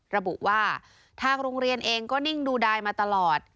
ระบุว่าทางโรงเรียนเองก็นิ่งดูดายมาตลอด